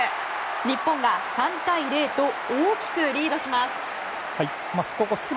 日本が３対０と大きくリードします。